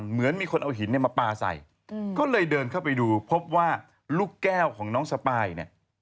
เหมือนมีคนเอาหินเนี่ยมาปลาใส่ก็เลยเดินเข้าไปดูพบว่าลูกแก้วของน้องสปายเนี่ย